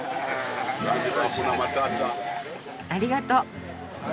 ありがとう。